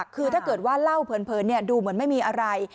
คือถ้าเกิดว่าเล่าเผินดูเหมือนไม่มีอะไร